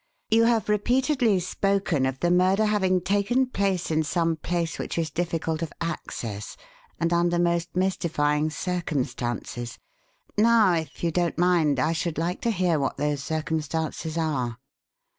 You have repeatedly spoken of the murder having taken place in some place which is difficult of access and under most mystifying circumstances. Now, if you don't mind, I should like to hear what those circumstances are."